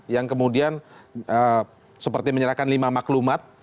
yang kemudian seperti menyerahkan lima maklumat